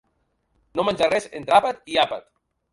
No menjar res entre àpat i àpat.